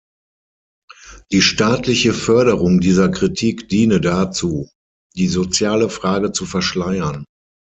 Die staatliche Förderung dieser Kritik diene dazu, die soziale Frage zu verschleiern.